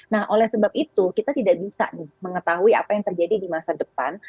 nah oleh sebab itu kita tidak bisa mengetahui apa yang terjadi di masa depan